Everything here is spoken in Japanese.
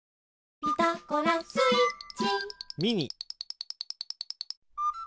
「ピタゴラスイッチ」